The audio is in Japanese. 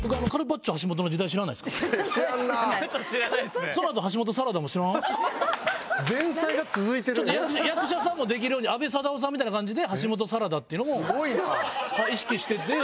ちょっと役者さんもできるように阿部サダヲさんみたいな感じで橋本サラダっていうのも意識してて。